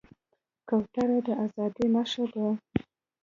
کوتره د ازادۍ نښه ده.